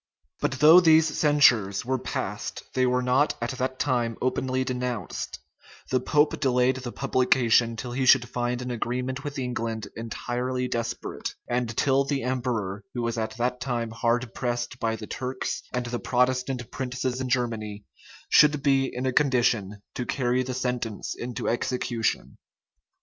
[*] But though these censures were passed, they were not at that time openly denounced; the pope delayed the publication till he should find an agreement with England entirely desperate; and till the emperor, who was at that time hard pressed by the Turks and the Protestant princes in Germany, should be in a condition to carry the sentence into execution.